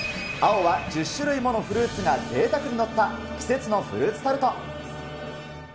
青は１０種類ものフルーツがぜいたくに載った季節のフルーツタルト。